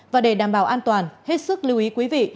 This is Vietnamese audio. và để đảm bảo an toàn hết sức lưu ý quý vị